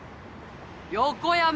横山！